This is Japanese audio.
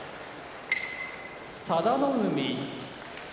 佐田の海